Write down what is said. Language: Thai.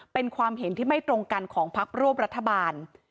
เป็นความเห็นที่ไม่ตรงกันของพักร่วมรัฐบาล